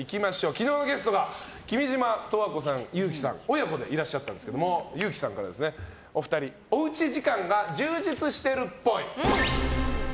昨日のゲストが君島十和子さん、憂樹さん親子でいらっしゃったんですが憂樹さんからお二人はおうち時間が充実してるっぽい。